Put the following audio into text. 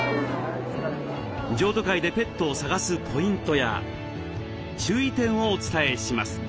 譲渡会でペットを探すポイントや注意点をお伝えします。